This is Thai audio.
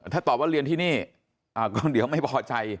ถ้าตอบว่าเรียนที่นี่ก็เดี๋ยวไม่พอใจ